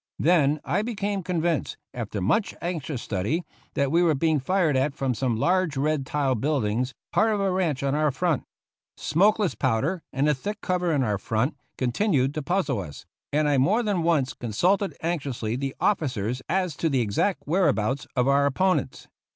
Then I became convinced, after much anxious study, that we were being fired at from some large red tiled buildings, part of a ranch on our front. Smokeless powder, and the thick cover in our front, continued to puzzle us, and I more than once consulted anxiously the officers as to the exact whereabouts of our oppo nents.